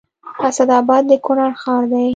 اسداباد د کونړ ښار دی